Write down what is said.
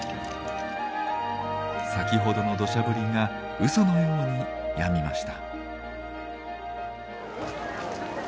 先ほどのどしゃ降りがうそのようにやみました。